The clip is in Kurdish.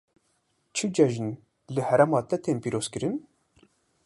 Çi cejin li herêma te tên pîrozkirin?